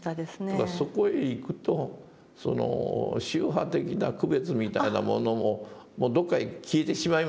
ただそこへいくと宗派的な区別みたいなものももうどこかへ消えてしまいますね。